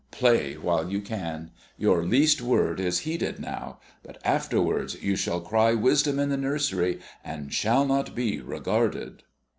Play while you can. Your least word is heeded now; but afterwards you shall cry wisdom in the nursery and shall not be regarded."